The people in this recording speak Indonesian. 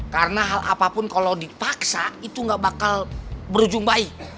karena hal apapun kalo dipaksa itu gak bakal berujung baik